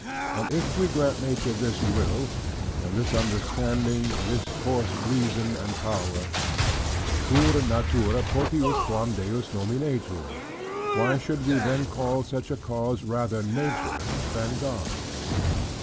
And if we grant Nature this will, and this understanding, this course, reason, and power: "Cur Natura potius quam Deus nominetur?" "Why should we then call such a cause rather Nature, than God?"